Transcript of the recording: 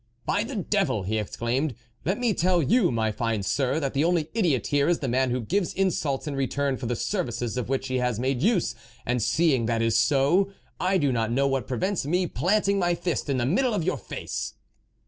" By the devil !" he exclaimed, " let me tell you, my fine sir, that the only idiot here is the man who gives insults in re turn for the services of which he has made use, and seeing that is so, I do not know what prevents me planting my fist in the middle of your face."